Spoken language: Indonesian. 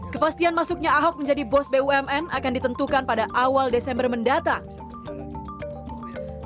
kepastian masuknya ahok menjadi bos bumn akan ditentukan pada awal desember mendatang